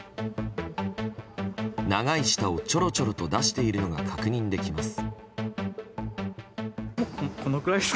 長い舌をちょろちょろと出しているのが確認できます。